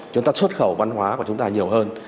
chúng ta xuất khẩu văn hóa của chúng ta nhiều hơn